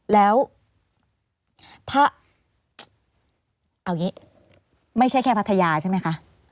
แล้วถ้าเอาอย่างนี้ไม่ใช่แค่พัทยาใช่ไหมคะ